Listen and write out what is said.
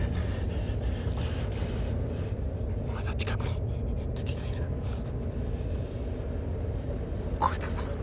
まだ近くに敵がいる。